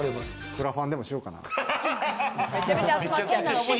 クラファンでもしようかな。